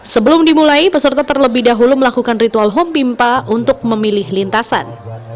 sebelum dimulai peserta terlebih dahulu melakukan ritual home pimpa untuk memilih lintasan